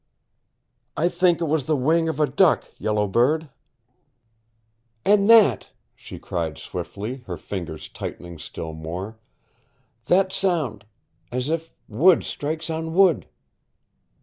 "I think it was the wing of a duck, Yellow Bird." "And THAT!" she cried swiftly, her fingers tightening still more. "That sound as if wood strikes on wood!"